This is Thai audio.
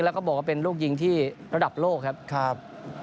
แล้วก็บอกว่าเป็นลูกยิงที่ระดับโลกครับ